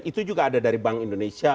itu juga ada dari bank indonesia